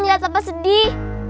liat apa sedih